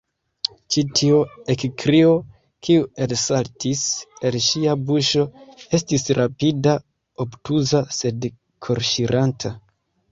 Ĉi tiu ekkrio, kiu elsaltis el ŝia buŝo, estis rapida, obtuza, sed korŝiranta.